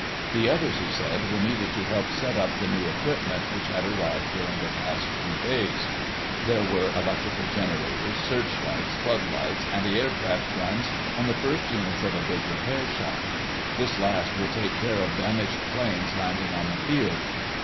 The others, he said, were needed to help set up the new equipment which had arrived during the past two days. There were electrical generators, searchlights, floodlights, antiaircraft guns, and the first units of a big repair shop. This last would take care of damaged planes landing on the field.